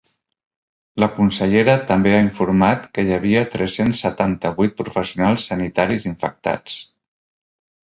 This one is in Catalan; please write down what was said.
La consellera també ha informat que hi havia tres-cents setanta-vuit professionals sanitaris infectats.